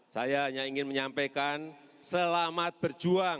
saya hanya ingin menyampaikan selamat berjuang